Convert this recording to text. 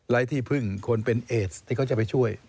ที่พึ่งคนเป็นเอสที่เขาจะไปช่วย